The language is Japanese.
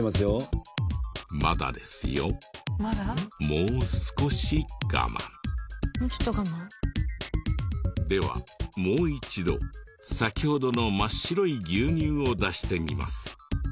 もうちょっと我慢？ではもう一度先ほどの真っ白い牛乳を出してみます。